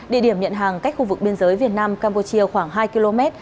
địa điểm nhận hàng cách khu vực biên giới việt nam campuchia khoảng hai km